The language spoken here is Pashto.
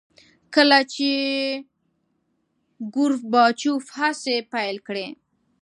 کله چې ګورباچوف هڅې پیل کړې.